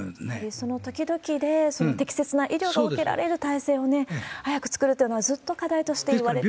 そのときどきで、適切な医療を受けられる体制を早く作るというのは、ずっと課題としていわれているわけですよね。